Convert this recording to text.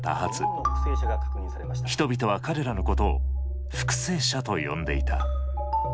人々は彼らのことを復生者と呼んでいた。